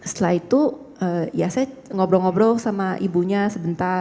setelah itu ya saya ngobrol ngobrol sama ibunya sebentar